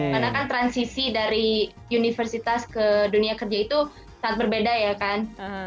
karena kan transisi dari universitas ke dunia kerja itu sangat berbeda ya kan